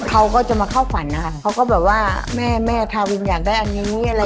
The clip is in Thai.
เขาก็จะมาเข้าฝันค่ะเขาก็แบบว่าแม่ทาวินอยากได้อันนี้อะไรอย่างนี้